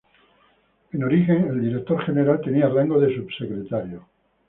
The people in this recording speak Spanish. En origen, el director general tenía rango de subsecretario.